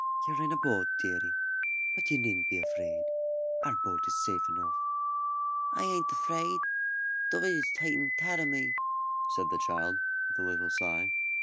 "You're in a boat, deary; but you needn't be afraid; our boat is safe enough." "I ain't afraid; Dod is tatin' tare of me," said the child, with a little sigh.